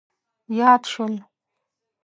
یاد شول.